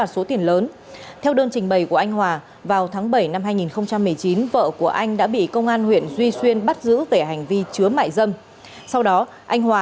xin chào các bạn